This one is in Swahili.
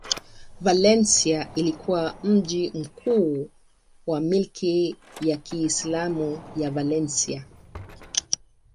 Valencia ilikuwa mji mkuu wa milki ya Kiislamu ya Valencia.